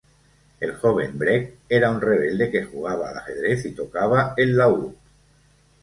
El joven Brecht era un rebelde que jugaba al ajedrez y tocaba el laúd.